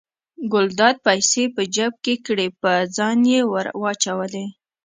ګلداد پیسې په جب کې کړې په ځان یې ور واچولې.